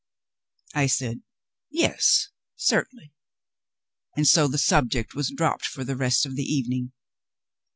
I said, "Yes, certainly." And so the subject was dropped for the rest of the evening.